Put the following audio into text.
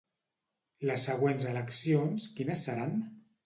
Les següents eleccions quines seran?